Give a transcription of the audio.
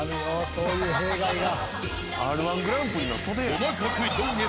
そういう弊害が。